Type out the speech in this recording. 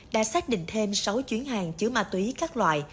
đã xác định thêm sáu chuyến hàng chứa ma túy các loại